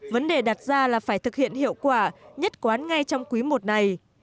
vấn đề đặt ra là phải thực hiện hiệu quả nhất quán ngay trong quý i này